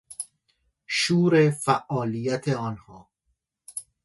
شور فعالیت آنها